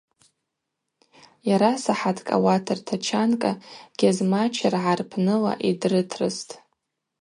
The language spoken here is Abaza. Йарасахӏаткӏ ауат ртачанкӏа Гьазмачыргӏа рпныла йдрытрыстӏ.